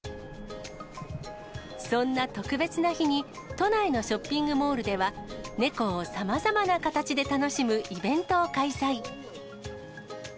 そんな特別な日に、都内のショッピングモールでは、猫をさまざまな形で楽しむイベントを開催。